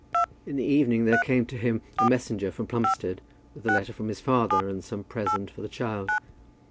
In the evening there came to him a messenger from Plumstead, with a letter from his father and some present for the child.